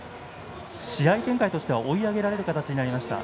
試合展開としては追い上げられる形となりました。